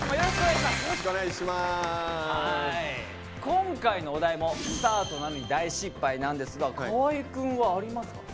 今回のお題も「スタートなのに大失敗」なんですが河合くんはありますか？